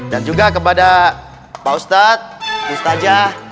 dan juga kepada pak ustadz ustadzah